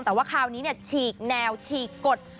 แต่ว่าคราวนี้ฉีกแนวฉีกกฎ